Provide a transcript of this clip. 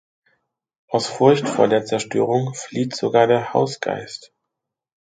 Aus Furcht vor der Zerstörung flieht sogar der Hausgeist.